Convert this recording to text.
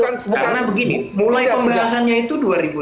karena begini mulai pembahasannya itu dua ribu lima belas